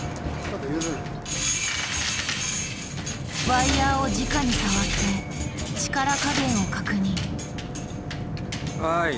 ワイヤーをじかに触って力加減を確認。